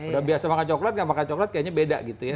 udah biasa makan coklat gak makan coklat kayaknya beda gitu ya